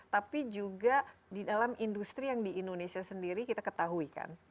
tapi juga di dalam industri yang di indonesia sendiri kita ketahui kan